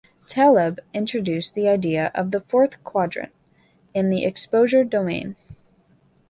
Taleb introduced the idea of the "fourth quadrant" in the exposure domain.